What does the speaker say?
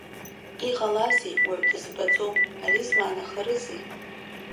Иҟалазеи, уаҩ дызбаӡом, ари змаанахарызеи?